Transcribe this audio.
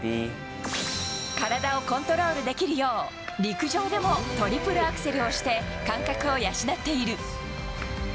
体をコントロールできるよう、陸上でもトリプルアクセルをして、感覚を養っている。